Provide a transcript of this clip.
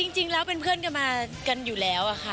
จริงแล้วเป็นเพื่อนกันมากันอยู่แล้วอะค่ะ